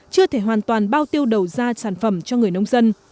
chưa thể hoàn toàn bao tiêu đầu ra sản phẩm cho người nông dân